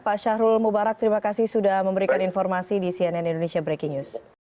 pak syahrul mubarak terima kasih sudah memberikan informasi di cnn indonesia breaking news